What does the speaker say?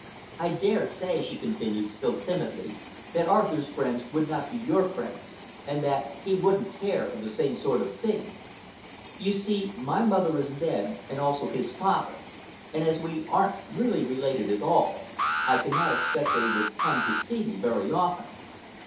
"I dare say," she continued, still timidly, "that Arthur's friends would not be your friends, and that he wouldn't care for the same sort of things. You see, my mother is dead and also his father, and as we aren't really related at all, I cannot expect that he would come to see me very often.